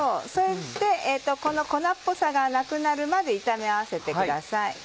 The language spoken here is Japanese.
それでこの粉っぽさがなくなるまで炒め合わせてください。